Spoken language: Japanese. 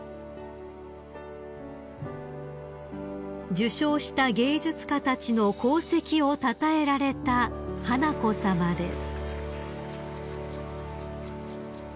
［受賞した芸術家たちの功績をたたえられた華子さまです］